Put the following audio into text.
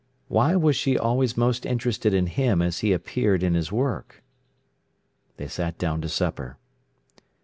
Why was she always most interested in him as he appeared in his work? They sat down to supper.